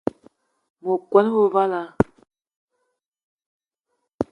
Me kon wo vala